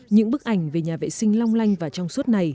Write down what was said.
những bức ảnh về nhà vệ sinh long lanh và trong suốt này